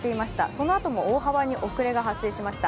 そのあとも大幅に遅れが発生しました。